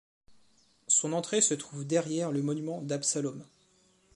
Son entrée se trouve derrière le monument d'Absalom.